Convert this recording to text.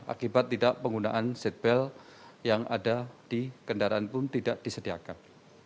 akibat tidak penggunaan seatbelt yang ada di kendaraan pun tidak disediakan